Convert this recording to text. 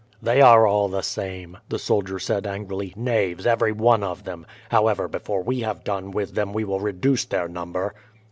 "They are all the same," the soldier said angrily. "Knaves every one of them. However, before we have done with them we will reduce their number."